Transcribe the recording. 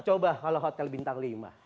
coba kalau hotel bintang lima